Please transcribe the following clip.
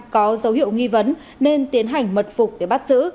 có dấu hiệu nghi vấn nên tiến hành mật phục để bắt giữ